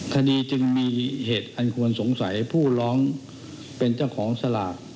คดีจึงมีเหตุอันควรสงสัยผู้ร้องเป็นเจ้าของสลาก